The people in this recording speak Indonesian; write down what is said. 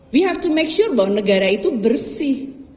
be hake to make sure bahwa negara itu bersih